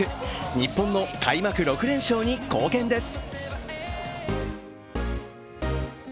日本の開幕６連勝に貢献です。